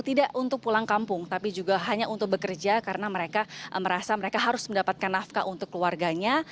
tidak untuk pulang kampung tapi juga hanya untuk bekerja karena mereka merasa mereka harus mendapatkan nafkah untuk keluarganya